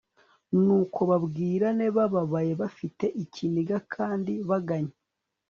nuko babwirane bababaye, bafite ikiniga kandi baganya